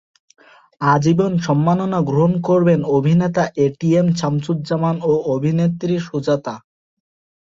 আজীবন সম্মাননা গ্রহণ করবেন অভিনেতা এটিএম শামসুজ্জামান ও অভিনেত্রী সুজাতা।